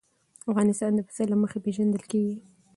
افغانستان د پسه له مخې پېژندل کېږي.